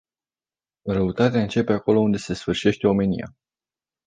Răutatea începe acolo unde sfârșește omenia.